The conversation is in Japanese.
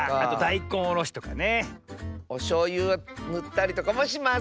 おしょうゆぬったりとかもします。